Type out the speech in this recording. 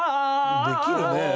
できるね。